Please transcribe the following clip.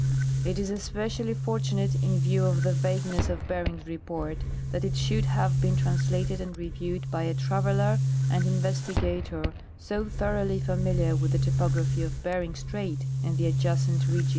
It is especially fortunate, in view of the vagueness of Bering's report, that it should have been trans lated and reviewed by a traveler and investigator so thoroughly familiar with the topography of Bering strait and the adjacent region.